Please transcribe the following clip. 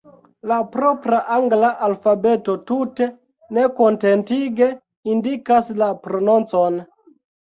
La propra angla alfabeto tute nekontentige indikas la prononcon.